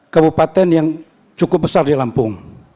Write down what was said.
kabupaten yang cukup besar di lampung